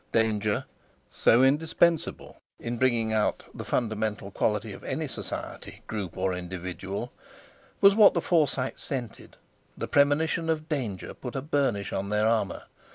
Danger—so indispensable in bringing out the fundamental quality of any society, group, or individual—was what the Forsytes scented; the premonition of danger put a burnish on their armour.